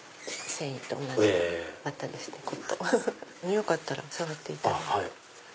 よかったら触っていただいて。